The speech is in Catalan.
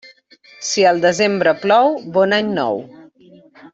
Si el desembre plou, bon any nou.